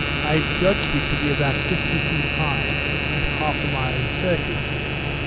I judged it to be about 50 feet high, and half a mile in circuit.